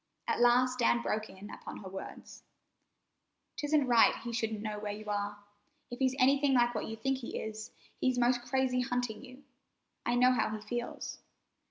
At last Dan broke in upon her words: "'Tisn't right he shouldn't know where you are. If he's anything like what you think he is, he's 'most crazy hunting you. I know how he feels."